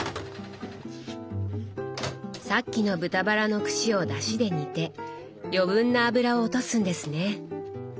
さっきの豚バラの串をだしで煮て余分な脂を落とすんですね。